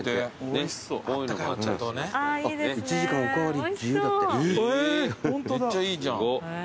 めっちゃいいじゃん。